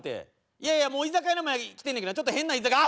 いやいやもう居酒屋の前来てんねんけどちょっと変な居酒屋。